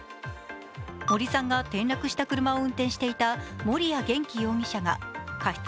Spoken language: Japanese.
森さんが転落した車を運転していた森谷元気容疑者が過失